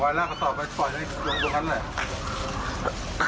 ไว้แล้วกระสอบไปปล่อยให้ส่วนตัวนั้นเลย